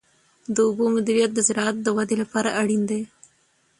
د اوبو مدیریت د زراعت د ودې لپاره اړین دی.